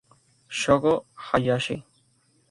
Shogo Hayashi